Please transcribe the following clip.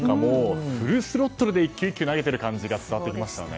フルスロットルで、１球１球を投げている感じが伝わってきましたね。